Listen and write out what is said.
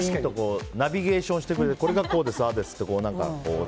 ナビゲーションしてくれるこれがこうです、ああですって。